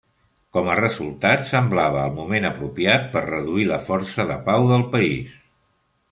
Com a resultat, semblava el moment apropiat per reduir la força de pau del país.